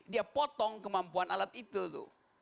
dia potong kemampuan alat itu tuh